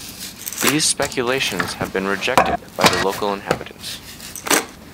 These speculations have been rejected by the local inhabitants.